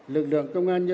lực lượng công an nhân dân